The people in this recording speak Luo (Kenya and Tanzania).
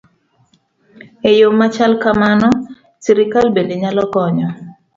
E yo ma chalo kamano, sirkal bende nyalo konyo